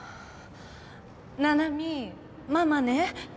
七海ママね。